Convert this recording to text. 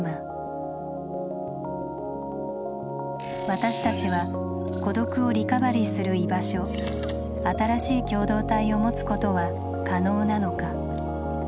私たちは「孤独」をリカバリーする居場所新しい共同体を持つことは可能なのか？